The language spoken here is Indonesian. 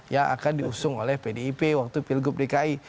yang akan diusung oleh pdip waktu pilgub dki